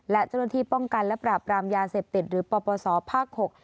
และเจ้าหน้าที่ป้องกันและปราบรามยาเสพติดหรือปปศภาค๖